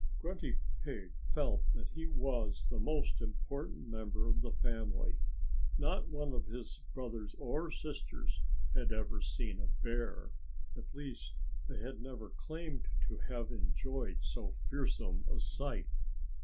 Grunty Pig felt that he was the most important member of the family. Not one of his brothers or sisters had ever seen a bear. At least they had never claimed to have enjoyed so fearsome a sight.